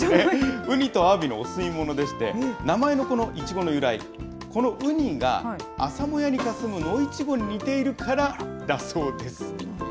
ウニとあわびのお吸い物でして、名前のこのいちごの由来、このウニが、朝もやにかすむ野イチゴに似ているからだそうです。